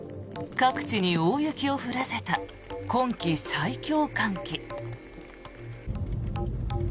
各地に大雪を降らせた今季最強寒気。